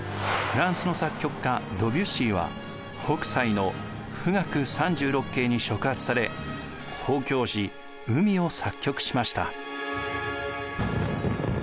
フランスの作曲家ドビュッシーは北斎の「富嶽三十六景」に触発され交響詩「海」を作曲しました。